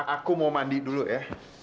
aku mau mandi dulu ya